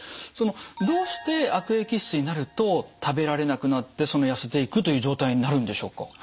そのどうして悪液質になると食べられなくなってそのやせていくという状態になるんでしょうか？